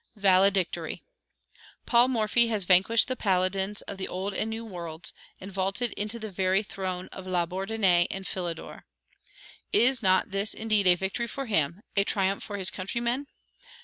VALEDICTORY. Paul Morphy has vanquished the paladins of the Old and New Worlds, and vaulted into the very throne of Labourdonnais and Philidor. Is not this indeed a victory for him, a triumph for his countrymen?